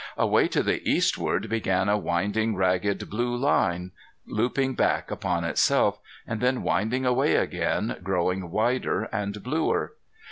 Away to the eastward began a winding ragged blue line, looping back upon itself, and then winding away again, growing wider and bluer.